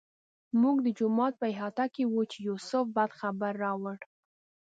موږ د جومات په احاطه کې وو چې یوسف بد خبر راوړ.